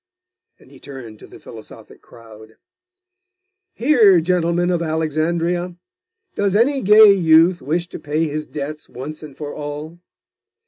And he turned to the philosophic crowd. 'Here, gentlemen of Alexandria! Does any gay youth wish to pay his debts once and for all?